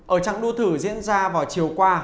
ở trạng đua thử diễn ra vào chiều qua